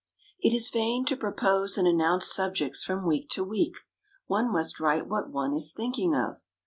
It is vain to propose and announce subjects from week to week. One must write what one is thinking of.